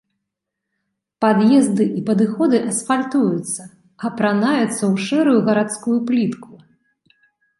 Пад'езды і падыходы асфальтуюцца, апранаюцца ў шэрую гарадскую плітку.